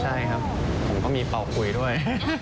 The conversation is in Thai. ใช่ครับผมก็มีเป่าคุยด้วย